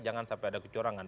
jangan sampai ada kecurangan